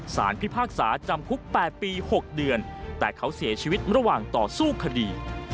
พิพากษาจำคุก๘ปี๖เดือนแต่เขาเสียชีวิตระหว่างต่อสู้คดี